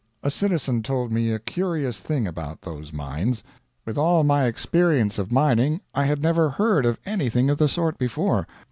A citizen told me a curious thing about those mines. With all my experience of mining I had never heard of anything of the sort before.